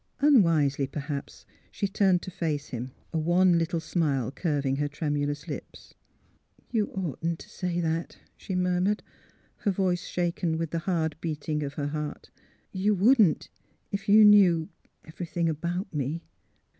Unwisely, perhaps, she turned to face him, a wan little smile curving her tremulous lips. '' You oughtn't to say that," she murmured, her voice shaken with the hard beating of her heart. '' You wouldn't, if you knew — everything about me."